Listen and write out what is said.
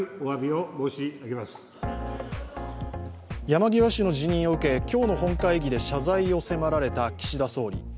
山際氏の辞任を受け、今日の本会議で謝罪を迫られた岸田総理。